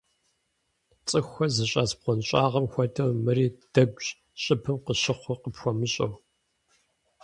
ЦӀыхухэр зыщӀэс бгъуэнщӀагъым хуэдэу, мыри дэгущ, щӀыбым къыщыхъур къыпхуэмыщӀэу.